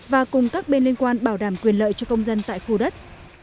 và cùng các bên liên quan bảo đảm quyền lợi cho công dân tại khu đất